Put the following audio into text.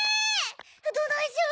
どないしよ！